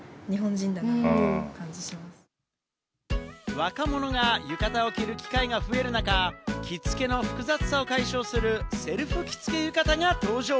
若者が浴衣を着る機会が増える中、着付けの複雑さを解消するセルフ着付け浴衣が登場。